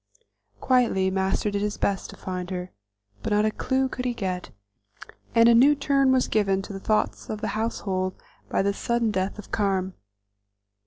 Quietly Master did his best to find her, but not a clew could he get, and a new turn was given to the thoughts of the household by the sudden death of Carm.